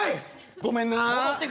ごめんな。